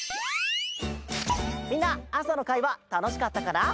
みんな朝の会はたのしかったかな？